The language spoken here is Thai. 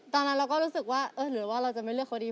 ตอนนั้นเราก็รู้สึกว่าเออหรือว่าเราจะไม่เลือกเขาดี